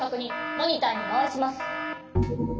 モニターにまわします。